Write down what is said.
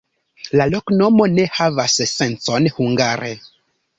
La loknomo ne havas sencon hungare.